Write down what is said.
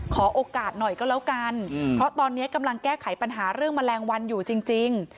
ขอโอกาสหน่อยก็แล้วกันเพราะตอนนี้กำลังแก้ไขปัญหาเรื่องแมลงวันอยู่จริง